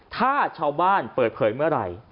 ถ้าชาวบ้านเปิดเผยเมื่อไหร่